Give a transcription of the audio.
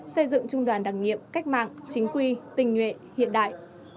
xây dựng trung đoàn đặc nhiệm cách mạng chính quy tình nguyện hiện đại